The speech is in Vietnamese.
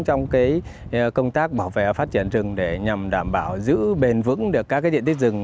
trong công tác bảo vệ và phát triển rừng để nhằm đảm bảo giữ bền vững được các diện tích rừng